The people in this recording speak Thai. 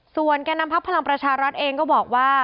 ส่วนแก่นำพักพลังประชารัฐเองก็บอกว่า